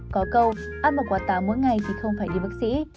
có câu ăn một quả táo mỗi ngày thì không phải đi bác sĩ